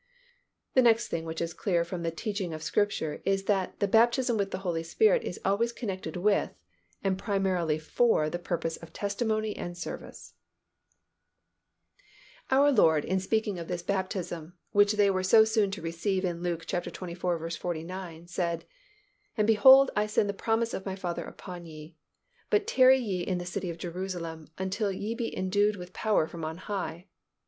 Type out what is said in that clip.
The next thing which is clear from the teaching of Scripture is that the baptism with the Holy Spirit is always connected with, and primarily for the purpose of testimony and service. Our Lord in speaking of this baptism which they were so soon to receive in Luke xxiv. 49 said, "And behold I send the promise of My Father upon you: but tarry ye in the city of Jerusalem, until ye be endued with power from on high."